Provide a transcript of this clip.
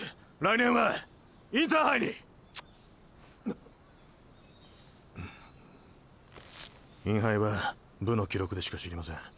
インハイは部の記録でしか知りません。